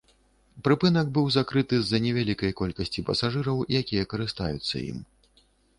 Прыпынак быў закрыты з-за невялікай колькасці пасажыраў, якія карыстаюцца ім.